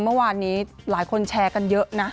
เมื่อวานนี้หลายคนแชร์กันเยอะนะ